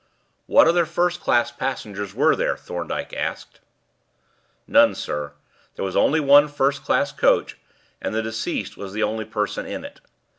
"What other first class passengers were there?" Thorndyke asked. "None, sir. There was only one first class coach, and the deceased was the only person in it.